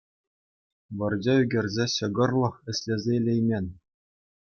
Вӑрҫӑ ӳкерсе ҫӑкӑрлӑх ӗҫлесе илеймен